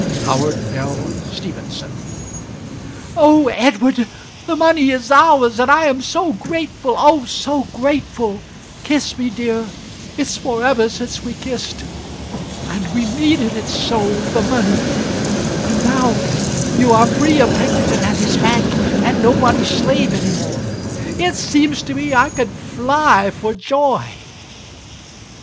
"HOWARD L. STEPHENSON." "Oh, Edward, the money is ours, and I am so grateful, oh, so grateful, kiss me, dear, it's for ever since we kissed and we needed it so the money and now you are free of Pinkerton and his bank, and nobody's slave any more; it seems to me I could fly for joy."